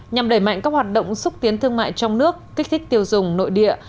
nhằm đẩy mạnh các hoạt động xúc tiến thương mại trong nước kích thích tiêu dùng nội địa